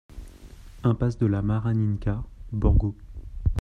Impasse de la Maraninca, Borgo